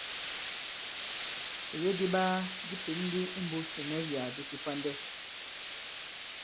Ìyo di iɓaa di pěn ndi i mbūs ì ìnɛsyàk di kifandɛ.